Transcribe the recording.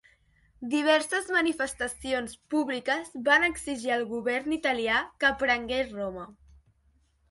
Diverses manifestacions públiques van exigir al govern italià que prengués Roma.